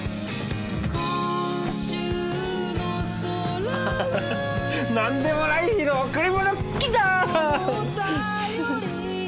はははなんでもない日の贈り物来た！